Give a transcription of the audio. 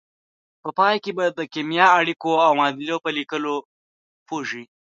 په پای کې به د کیمیاوي اړیکو او معادلو په لیکلو پوه شئ.